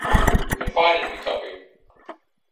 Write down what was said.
Confide in me, Tuppy.